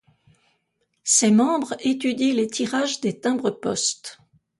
Ses membres étudient les tirages des timbres-poste.